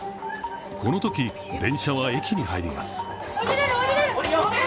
このとき、電車は駅に入ります。